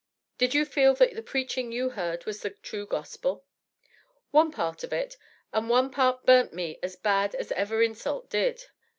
"Did you feel that the preaching you heard was the true Gospel?" "One part of it, and one part burnt me as bad as ever insult did.